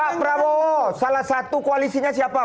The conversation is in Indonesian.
pak prabowo salah satu koalisinya siapa